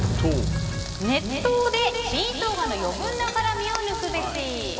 熱湯で新ショウガの余分な辛味を抜くべし。